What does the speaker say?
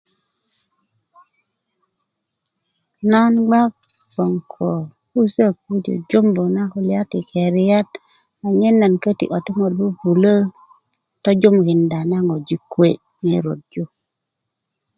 nan gbak gboŋ ko pusök yi jujumbu na kulya ti keriyat anyen köti' kotumolu bubulö tojumukinda na ŋojik kuwe' ŋetot yu